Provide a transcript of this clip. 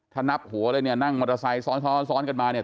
ถ้านับหัวเลยเนี่ยนั่งมอเตอร์ไซค์ซ้อนซ้อนกันมาเนี่ย